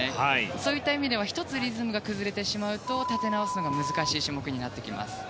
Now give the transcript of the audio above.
そういった意味では１つリズムが崩れてしまうと立て直すのが難しい種目になってきます。